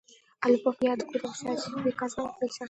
А любовь неоткуда взять, приказать нельзя.